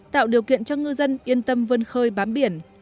tạo điều kiện cho ngư dân yên tâm vươn khơi bám biển